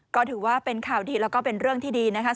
ก็ถือว่าเป็นข่าวดีแล้วก็เป็นเรื่องที่ดีนะคะ